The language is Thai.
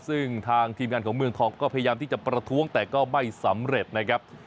ซึ่งทางทีมงานของเมืองทองก็พยายามที่จะประท้วงแต่ก็ไม่สำเร็จนะครับ